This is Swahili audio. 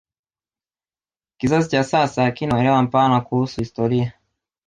kizazi cha sasa hakina uelewa mpana kuhusu historia